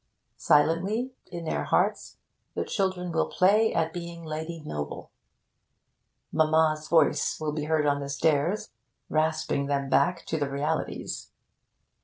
Silently, in their hearts, the children will play at being Lady Noble.... Mamma's voice will be heard on the stairs, rasping them back to the realities.